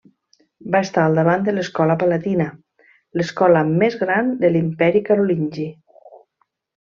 Va estar al davant de l'Escola Palatina, l'escola més gran de l'Imperi carolingi.